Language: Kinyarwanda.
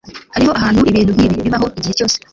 hariho ahantu ibintu nkibi bibaho igihe cyose